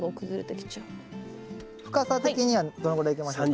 深さ的にはどのぐらいいきましょうか？